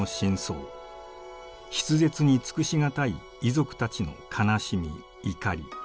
筆舌に尽くし難い遺族たちの悲しみ怒り。